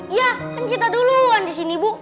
iya kan kita duluan disini bu